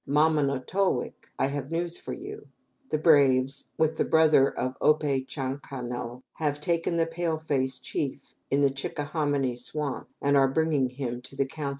Ma ma no to wic, I have news for you. The braves, with your brother O pe chan ca nough, have taken the pale face chief in the Chickahominy swamps and are bringing him to the council house."